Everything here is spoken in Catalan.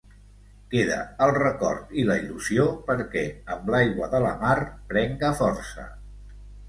Queda el record i la il·lusió perquè amb l'aigua de la mar prenga força.